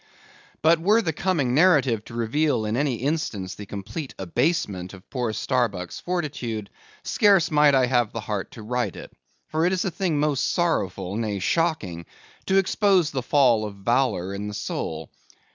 But were the coming narrative to reveal in any instance, the complete abasement of poor Starbuck's fortitude, scarce might I have the heart to write it; for it is a thing most sorrowful, nay shocking, to expose the fall of valour in the soul.